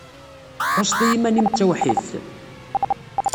Tḥusseḍ s yiman-im d tawḥidt?